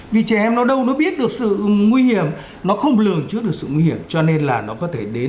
vì trẻ em nó đâu nó biết được sự nguy hiểm nó không lường trước được sự nguy hiểm cho nên là nó có thể đến